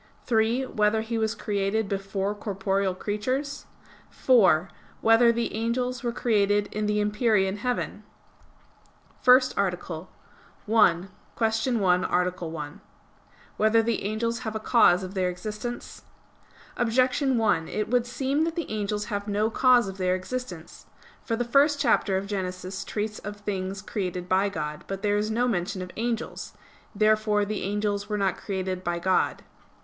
(3) Whether he was created before corporeal creatures? (4) Whether the angels were created in the empyrean heaven? _______________________ FIRST ARTICLE [I, Q. 61, Art. 1] Whether the Angels Have a Cause of Their Existence? Objection 1: It would seem that the angels have no cause of their existence. For the first chapter of Genesis treats of things created by God. But there is no mention of angels. Therefore the angels were not created by God.